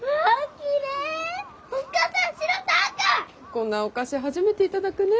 こんなお菓子初めて頂くね。